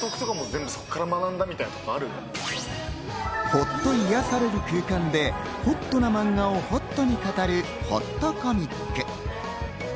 ほっと癒やされる空間でほっとな漫画をほっとに語るほっとコミック。